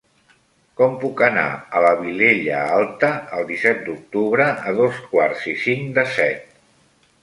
Com puc anar a la Vilella Alta el disset d'octubre a dos quarts i cinc de set?